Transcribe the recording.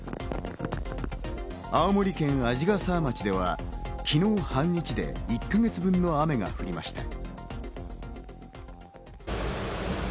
青森県鯵ヶ沢町では昨日半日で１か月分の雨が降りました。